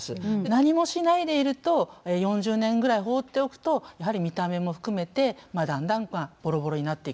何もしないでいると４０年ぐらい放っておくとやはり見た目も含めてだんだんボロボロになっていくということです。